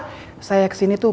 bukan mau ke sini tuh